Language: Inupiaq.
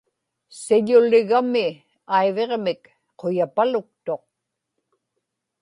siḷuligami aiviġmik quyapaluktuq